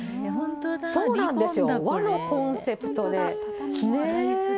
そうなんですよ、和のコンセプトで。